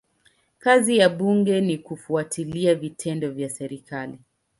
Kazi ya bunge ni kufuatilia vitendo vya serikali.